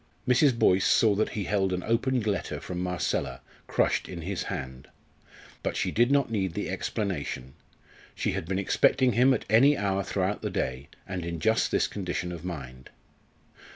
Mrs. Boyce saw that he held an opened letter from Marcella crushed in his hand. But she did not need the explanation. She had been expecting him at any hour throughout the day, and in just this condition of mind.